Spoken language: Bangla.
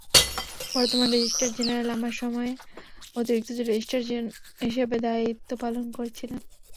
বর্তমান রেজিস্ট্রার জেনারেল আমার সময়ে অতিরিক্ত রেজিস্ট্রার হিসেবে দায়িত্ব পালন করেছিলেন।